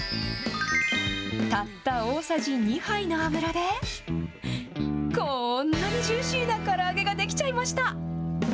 たった大さじ２杯の油で、こんなにジューシーなから揚げが出来ちゃいました。